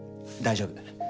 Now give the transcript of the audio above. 大丈夫！